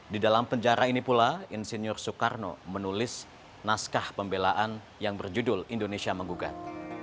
di dalam penjara ini pula insinyur soekarno menulis naskah pembelaan yang berjudul indonesia menggugat